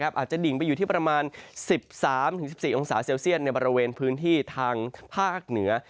อาจจะดิ่งไปอยู่ที่ประมาณ๑๓๑๔องศาเซลเซียตในบริเวณพื้นที่ทางภาคเหนือ